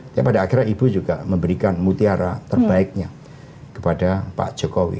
tapi pada akhirnya ibu juga memberikan mutiara terbaiknya kepada pak jokowi